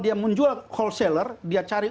dia menjual wholesaler dia cari